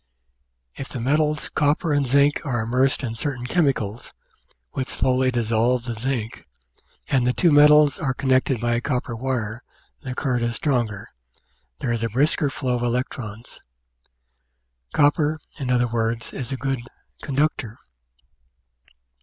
If the metals copper and zinc are im mersed in certain chemicals, which slowly dissolve the zinc, and the two metals are connected by a copper wire, the current is stronger, there is a brisker flow of electrons (see p. 270) . Copper, in other words, is a good "conductor."